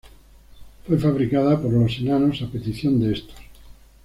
Fue fabricada por los enanos a petición de estos.